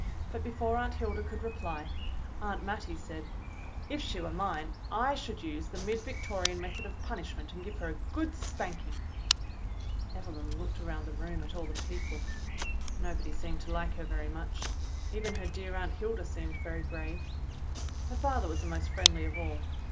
But before Aunt Hilda could reply, Aunt Mattie said, "If she were mine, I should use the mid Victo 36 THE BLUE AUNT rian method of punishment and give her a good spanking." Evelyn looked around the room at all the people. Nobody seemed to like her very much; even her dear Aunt Hilda seemed very grave. Her father was the most friendly of all.